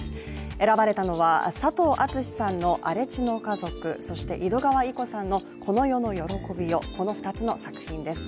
選ばれたのは佐藤厚志さんの「荒地の家族」、そして井戸川射子さんの「この世の喜びよ」、この２つの作品です。